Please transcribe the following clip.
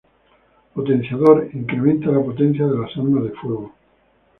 Potenciador: Incrementa la potencia de las armas de fuego.